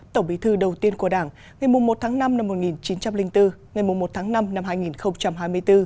tổng bí thư đầu tiên của đảng ngày một tháng năm năm một nghìn chín trăm linh bốn ngày một tháng năm năm hai nghìn hai mươi bốn